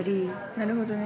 ◆なるほどね。